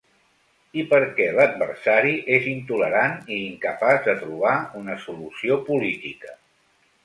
I perquè l’adversari és intolerant i incapaç de trobar una solució política.